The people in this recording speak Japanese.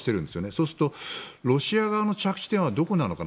そうするとロシア側の着地点はどこなのか。